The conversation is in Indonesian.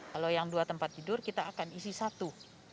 kalau yang dua tempat tidur kita akan isi satu